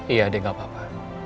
iya dia gak apa apa